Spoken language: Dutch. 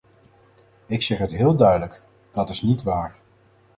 Ik zeg het heel duidelijk: dat is niet waar.